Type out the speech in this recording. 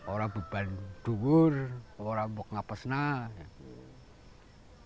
orang beban duhur orang buk ngapes nah